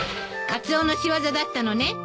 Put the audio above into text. カツオの仕業だったのね。